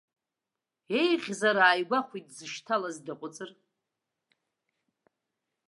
Еиӷьзар, ааигәахәит, дзышьҭалаз даҟәыҵыр?